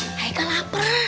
pak de haikel lapar